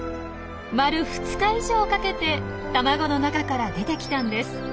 丸２日以上かけて卵の中から出てきたんです。